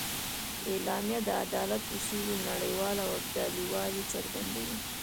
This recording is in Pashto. اعلامیه د عدالت اصولو نړیوال او ابدي والي څرګندوي.